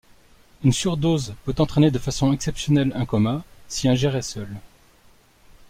Une surdose peut entraîner de façon exceptionnelle un coma, si ingéré seul.